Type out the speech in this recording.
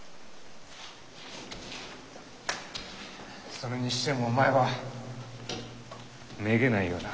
それにしてもお前はめげないよな。